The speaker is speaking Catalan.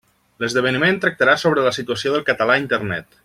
L'esdeveniment tractarà sobre «La situació del català a Internet».